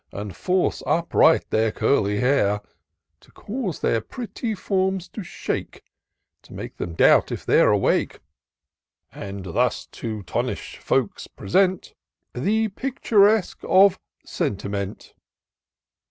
And force upright their curly hair ; To cause their pretty forms to shake. To make them doubt if they're awake ; i 76 TOUR OF DOCTOR SYNTAX And thus, to tonish folks, present The Picturesque of Sentiment